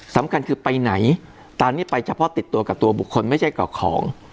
สำคัญคือไปไหนตามนี้ไปเฉพาะติดตัวกับตัวบุคคลไม่ใช่กับของ